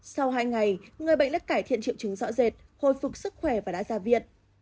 sau hai ngày người bệnh đã cải thiện triệu chứng rõ rệt hồi phục sức khỏe và đã ra viện